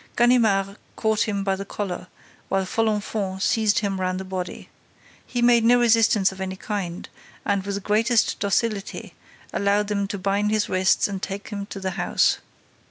Ganimard caught him by the collar, while Folenfant seized him round the body. He made no resistance of any kind and, with the greatest docility, allowed them to bind his wrists and take him to the house.